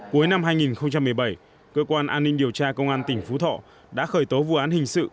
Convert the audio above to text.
cuối năm hai nghìn một mươi bảy cơ quan an ninh điều tra công an tỉnh phú thọ đã khởi tố vụ án hình sự